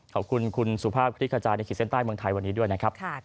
ขอบคุณคุณสุภาพคลิกขจายในขีดเส้นใต้เมืองไทยวันนี้ด้วยนะครับ